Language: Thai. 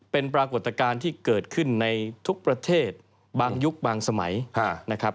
เป็นปรากฏการณ์ที่เกิดขึ้นในทุกประเทศบางยุคบางสมัยนะครับ